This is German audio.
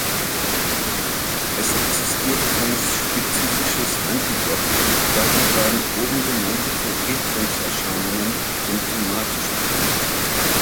Es existiert kein spezifisches Antidot, daher werden oben genannte Vergiftungserscheinungen symptomatisch behandelt.